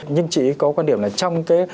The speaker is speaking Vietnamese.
nhưng chị có quan điểm là trong cái